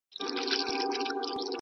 هر سفر يو نوې تجربه او يو نوی چل وي.